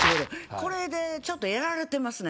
これでちょっとやられてますねん。